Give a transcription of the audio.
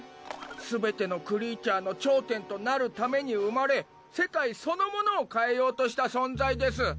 すべてのクリーチャーの頂点となるために生まれ世界そのものを変えようとした存在です。